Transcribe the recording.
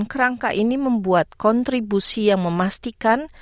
kerangka ini membuat kontribusi yang memastikan